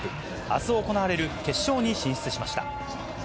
あす行われる決勝に進出しました。